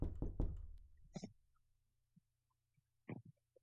All of the city is in the attendance district for Holbrook Middle School.